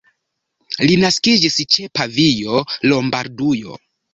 Li naskiĝis ĉe Pavio, Lombardujo.